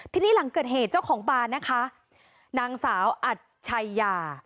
ทีนี้หลังเกิดเหตุเจ้าของบานนะคะนางสาวอัดชัยยา